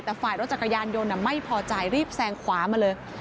แต่ฝ่ายรถจักรยานยนต์ไม่พอใจรีบแซงขวามาเลย